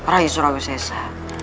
rayu surawi sesah